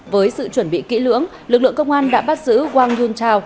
với sự chuẩn bị kỹ lưỡng lực lượng công an đã bắt giữ wang yuntao